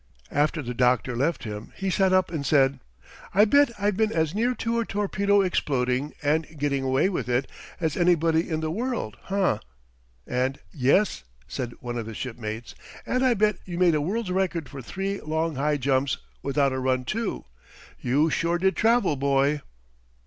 After the doctor left him he sat up and said: "I bet I've been as near to a torpedo exploding and getting away with it as anybody in the world, hah?" And "Yes," said one of his shipmates, "and I bet you made a world's record for three long high jumps, without a run, too. You sure did travel, boy."